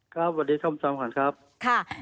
ครับสวัสดีครับสำหรับคุณครับ